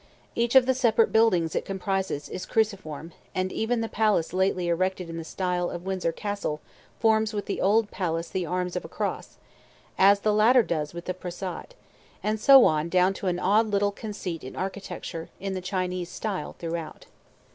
Each of the separate buildings it comprises is cruciform; and even the palace lately erected in the style of Windsor Castle forms with the old palace the arms of a cross, as the latter does with the Phrasat, and so on down to an odd little conceit in architecture, in the Chinese style throughout.